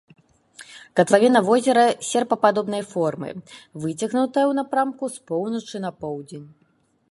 Катлавіна возера серпападобнай формы, выцягнутая ў напрамку з поўначы на поўдзень.